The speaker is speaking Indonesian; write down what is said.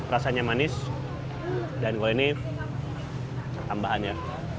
rasanya manis dan gore ini tambahan ya